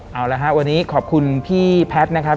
เอาละครับวันนี้ขอบคุณพี่แพทย์นะครับ